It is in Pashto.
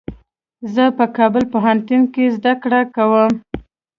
زه په کابل پوهنتون کي زده کړه کوم.